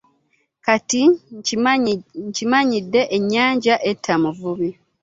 Kitta nkimanyidde, ennyanja etta muvubi